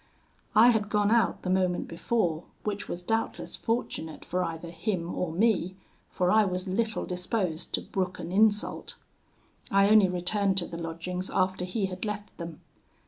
"I had gone out the moment before, which was doubtless fortunate for either him or me, for I was little disposed to brook an insult. I only returned to the lodgings after he had left them.